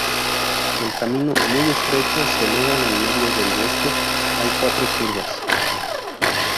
El camino, muy estrecho, se eleva en el medio del bosque; hay cuatro curvas.